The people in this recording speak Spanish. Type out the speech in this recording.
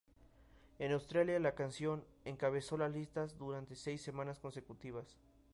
En Australia, la canción encabezó las listas durante seis semanas consecutivas.